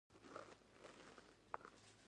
د خیر کار ته بلنه ورکول ثواب لري.